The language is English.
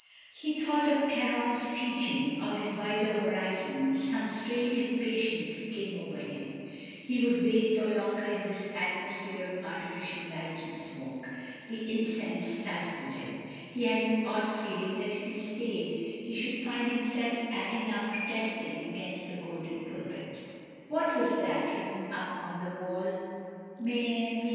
He thought of Caron's teaching, of his wider horizons, some strange impatience came over him, he would wait no longer in this atmosphere of artificial light and smoke; the incense stifled him; he had an odd feeling that if he stayed he should find himself standing up protesting against the golden pulpit. What was that written up on the wall, Mene^ mene?